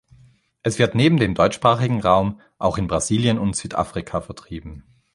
Es wird neben dem deutschsprachigen Raum auch in Brasilien und Südafrika vertrieben.